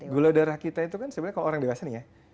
gula darah kita itu kan sebenarnya kalau orang dewasa nih ya